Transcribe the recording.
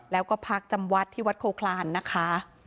แล้วก็พักจำวัดที่วัดโคคลานนะคะ